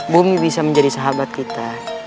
bumi bisa menjadi sahabat kita